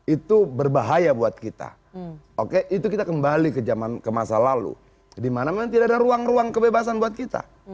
itu berbahaya buat kita oke itu kita kembali ke masa lalu dimana memang tidak ada ruang ruang kebebasan buat kita